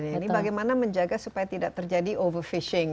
ini bagaimana menjaga supaya tidak terjadi overfishing